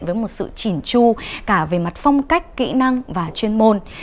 với một sự chỉn chu cả về mặt phong cách kỹ năng và chuyên môn